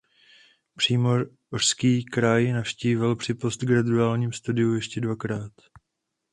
Přímořský kraj navštívil při postgraduálním studiu ještě dvakrát.